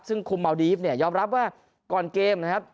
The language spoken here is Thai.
ซึ่งคุมเมาดีฟเนี่ยยอมรับว่าก่อนเกมนะครับ